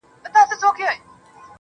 که غواړو وپوهېږو یو کس